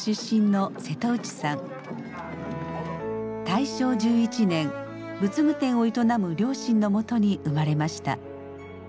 大正１１年仏具店を営む両親のもとに生まれました。